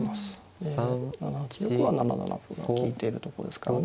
で７八玉は７七歩が利いているとこですからね。